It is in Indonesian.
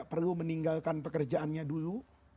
perlu meninggalkan pekerjaannya dulu